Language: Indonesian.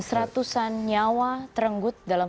seratusan nyawa terenggut dalam